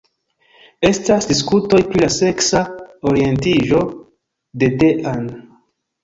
Estas diskutoj pri la seksa orientiĝo de Dean.